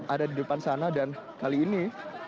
ada di depan sana dan kali ini